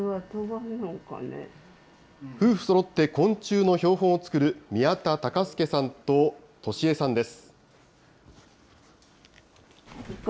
夫婦そろって昆虫の標本を作る、宮田隆輔さんと俊江さんです。